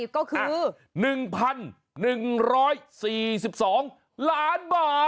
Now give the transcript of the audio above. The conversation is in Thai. ก็คือ๑๑๔๒ล้านบาท